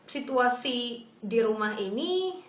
situasi di rumah ini